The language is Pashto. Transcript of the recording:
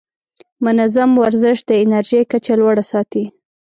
منظم ورزش د انرژۍ کچه لوړه ساتي.